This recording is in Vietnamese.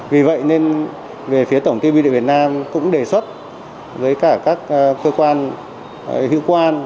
vì vậy nên về phía tổng tiêu biệt việt nam cũng đề xuất với cả các cơ quan hữu quan